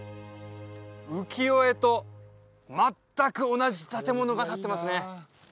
浮世絵と全く同じ建物が立ってますね